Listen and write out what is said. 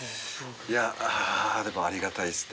いやでもありがたいですね。